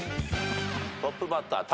トップバッタータカ。